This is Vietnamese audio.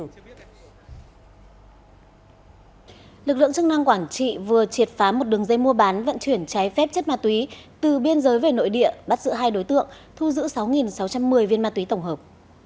lực lượng chức năng quản trị vừa triệt phá một đường dây mua bán vận chuyển trái phép chất ma túy từ biên giới về nội địa bắt giữ hai đối tượng thu giữ sáu sáu trăm một mươi viên ma túy tổng hợp